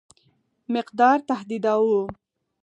مقدار تهدیداوه.